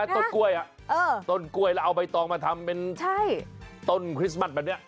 ต้นกล้วยต้นกล้วยแล้วเอาใบตองมาทำเป็นต้นคริสต์มัสแบบนี้